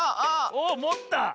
おおもった！